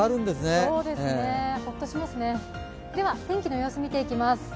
では、天気の様子を見ていきます